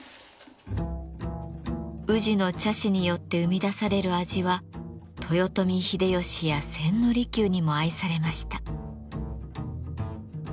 宇治の茶師によって生み出される味は豊臣秀吉や千利休にも愛されました。